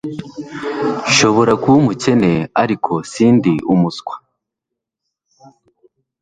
Nshobora kuba umukene ariko sindi umuswa